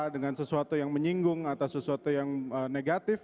dengan sesuatu yang menyinggung atau sesuatu yang negatif